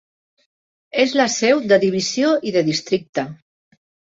És la seu de divisió i de districte.